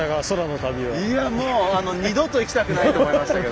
いやもう二度と行きたくないと思いましたけど。